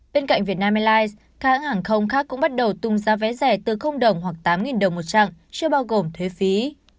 bên cạnh vietnam airlines các hãng hàng không khác cũng bắt đầu tung ra vé rẻ từ đồng hoặc tám đồng một chặng chưa bao gồm thuế phí